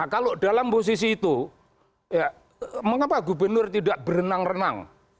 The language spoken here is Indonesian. kalau dalam posisi itu mengapa gubernur tidak berenang renang